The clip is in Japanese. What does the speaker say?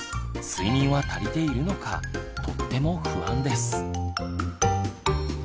睡眠は足りているのかとっても不安です。